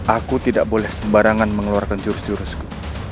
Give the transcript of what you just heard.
aku tidak boleh sembarangan mengeluarkan jurus jurusku